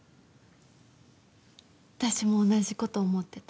私も同じ事思ってた。